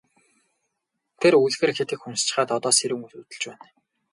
Тэр үлгэр хэт их уншчихаад одоо сэрүүн зүүдэлж байна.